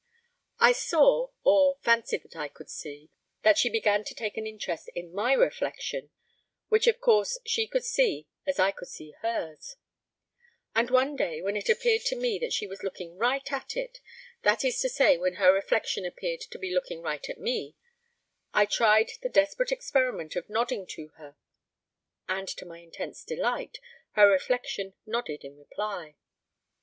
I saw or fancied that I could see that she began to take an interest in my reflection (which, of course, she could see as I could see hers); and one day, when it appeared to me that she was looking right at it that is to say when her reflection appeared to be looking right at me I tried the desperate experiment of nodding to her, and to my intense delight her reflection nodded in reply.